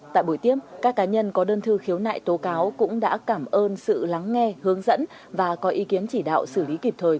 tại buổi tiếp các cá nhân có đơn thư khiếu nại tố cáo cũng đã cảm ơn sự lắng nghe hướng dẫn và có ý kiến chỉ đạo xử lý kịp thời